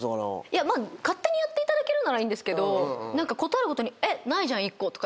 まあ勝手にやっていただけるならいいんですけど事あるごとに「ないじゃん１個」とか。